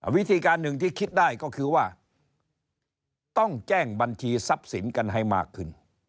วิธีการหนึ่งที่คิดได้ก็คือว่าต้องแจ้งบัญชีทรัพย์สินกันให้มากขึ้น